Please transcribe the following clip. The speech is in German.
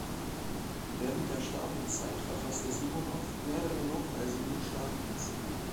Während der Stalinzeit verfasste Simonow mehrere Lobpreisungen Stalins.